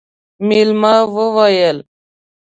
مېلمه وويل: